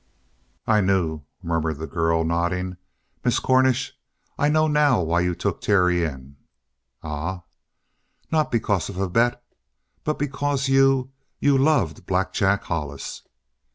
"I knew," murmured the girl, nodding. "Miss Cornish, I know now why you took in Terry." "Ah?" "Not because of a bet but because you you loved Black Jack Hollis!"